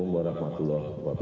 banyak bisnis yang cukup